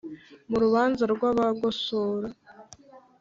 mu rubanza rwa bagosora